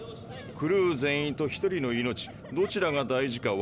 クルー全員と１人の命どちらが大事かわかるよね？